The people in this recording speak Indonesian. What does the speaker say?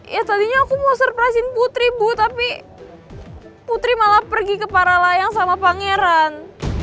ya tadinya aku mau surprisein putri bu tapi putri malah pergi ke para layang sama pangeran